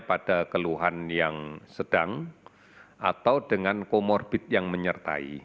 pada keluhan yang sedang atau dengan comorbid yang menyertai